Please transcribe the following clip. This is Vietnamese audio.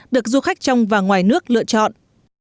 được du khách trong và ngoài nước lựa chọn